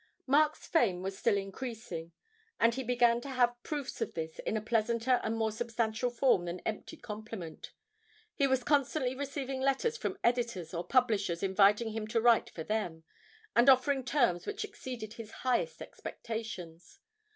Mark's fame was still increasing, and he began to have proofs of this in a pleasanter and more substantial form than empty compliment. He was constantly receiving letters from editors or publishers inviting him to write for them, and offering terms which exceeded his highest expectations.